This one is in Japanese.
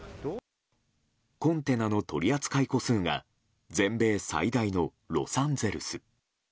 コンテナの取り扱い個数が全米最大のロサンゼルス。